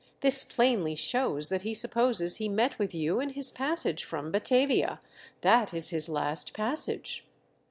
This plainly shows that he supposes he met with you in his pas sage from Batavia — that is his last passage.